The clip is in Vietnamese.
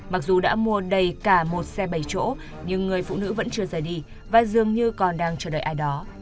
mặc dù đã mua đầy cả một xe bảy chỗ nhưng người phụ nữ vẫn chưa rời đi và dường như còn đang chờ đợi ai đó